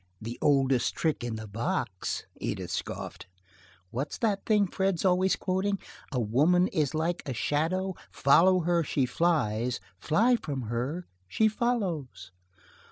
"The oldest trick in the box," Edith scoffed. "What's that thing Fred's always quoting: 'A woman is like a shadow; follow her, she flies; fly from her, she follows.'